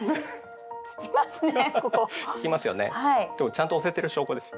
ちゃんと押せてる証拠です。